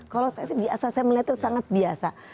kalau saya sih biasa saya melihat itu sangat biasa